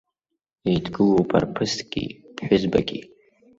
Еидгылоуп арԥыски ԥҳәызбаки.